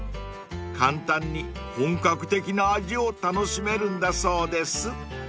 ［簡単に本格的な味を楽しめるんだそうです］